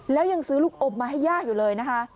แล้วยังซื้อลูกอมมาให้ย่าอยู่เลยนะคะ